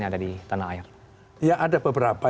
yang ada di tanah air ya ada beberapa